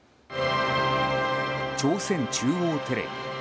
朝鮮中央テレビ。